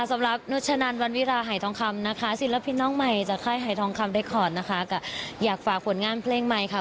สำหรับนุชนันวันวิราหายทองคำนะคะศิลปินน้องใหม่จากค่ายหายทองคำเรคคอร์ดนะคะก็อยากฝากผลงานเพลงใหม่ค่ะ